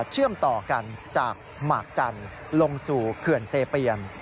เชื่อมต่อกันจากหมากจันทร์ลงสู่เขื่อนเซเปียน